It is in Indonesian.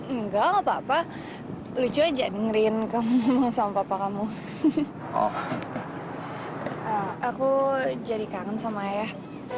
enggak apa apa lucu aja dengerin kamu sama papa kamu oh aku jadi kangen sama ayah